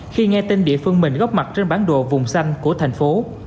khi nghe tin địa phương mình góp mặt trên bản đồ vùng xanh của thành phố